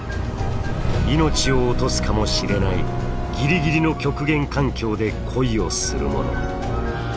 命を落とすかもしれないギリギリの極限環境で恋をするもの。